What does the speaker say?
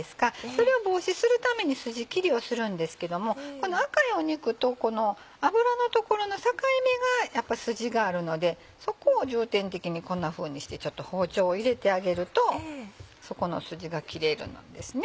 それを防止するためにスジ切りをするんですけどもこの赤い肉と脂の所の境目がやっぱスジがあるのでそこを重点的にこんなふうにしてちょっと包丁を入れてあげるとそこのスジが切れるのですね。